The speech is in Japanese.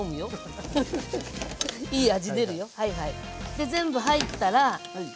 で全部入ったら。